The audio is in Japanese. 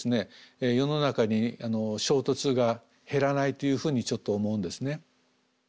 世の中に衝突が減らないというふうにちょっと思うんですね。